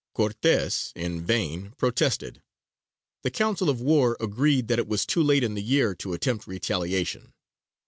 Cortes in vain protested: the council of war agreed that it was too late in the year to attempt retaliation.